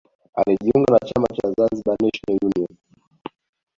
Alijiunga na chama cha Zanzibar National Union